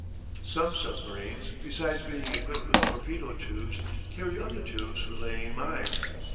Some submarines, besides being equipped with torpedo tubes, carry other tubes for laying mines.